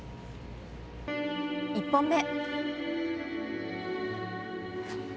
１本目。